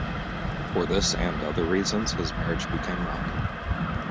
For this and other reasons his marriage became rocky.